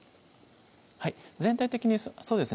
全体的にそうですね